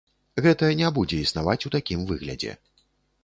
Гэта не будзе існаваць у такім выглядзе.